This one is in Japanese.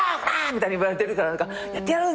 みたいに言われてるからやってやる！